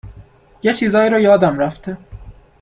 یه چیزایی رو یادم رفته